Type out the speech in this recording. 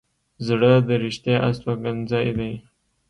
زړه د رښتیا استوګنځی دی.